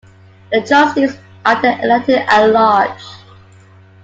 The trustees are then elected at large.